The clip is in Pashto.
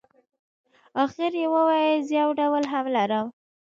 اخر یې وویل زه یو ډول هم لرم.